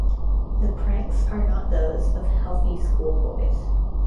The pranks are not those of healthy schoolboys.